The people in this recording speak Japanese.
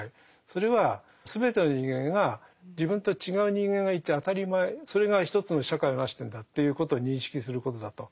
それは全ての人間が自分と違う人間がいて当たり前それが一つの社会を成してんだっていうことを認識することだと。